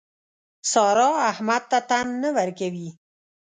سارا احمد ته تن نه ورکوي.